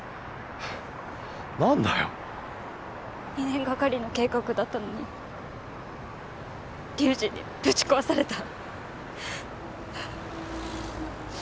２年がかりの計画だったのに龍二にぶち壊された。